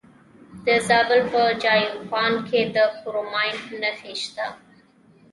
د زابل په دایچوپان کې د کرومایټ نښې شته.